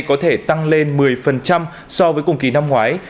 có thể tăng lên một mươi so với cùng kỳ năm ngoái